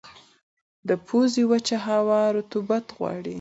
د پوزې وچه هوا رطوبت غواړي.